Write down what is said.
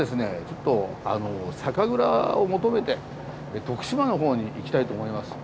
ちょっと酒蔵を求めて徳島のほうに行きたいと思います。